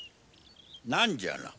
何じゃな？